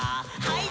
はい。